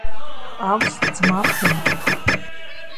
ჰყავს ძმა ფრენკი.